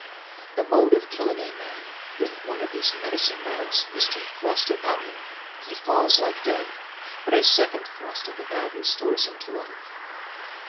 The mode of killing a man with one of these medicine bags is to thrust it at him; he falls like dead, but a second thrust of the bag restores him to life.